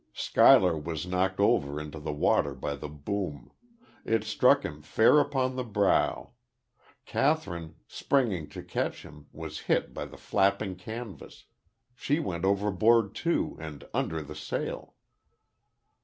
Schuyler was knocked over into the water by the boom. It struck him fair upon the brow. Kathryn, springing to catch him, was hit by the flapping canvas. She went overboard, too, and under the sail.